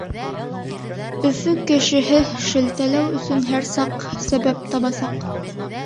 Өфө кешеһе шелтәләү өсөн һәр саҡ сәбәп табасаҡ.